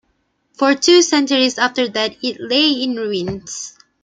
For two centuries after that it lay in ruins.